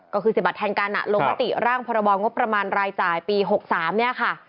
ก็คือเสียบัตรแทนกันลงมติร่างพรบงบประมาณรายจ่ายปี๖๓เนี่ยค่ะ